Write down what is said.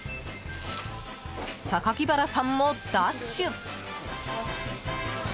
榊原さんもダッシュ！